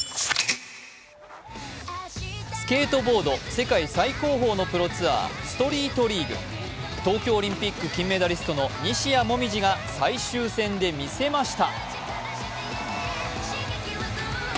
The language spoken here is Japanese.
スケートボード世界最高峰のプロツアー、ストリートリーグ、東京オリンピック金メダリストの西矢椛が最終戦でみせました。